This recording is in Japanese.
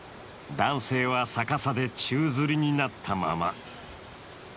男性は逆さで宙づりになったまま。